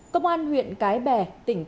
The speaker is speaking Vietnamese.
công an huyện cái bè tỉnh cái bè phát hiện tử vong